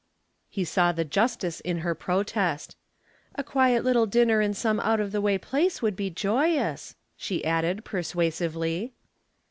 He saw the justice in her protest. "A quiet little dinner in some out of the way place would be joyous," she added, persuasively.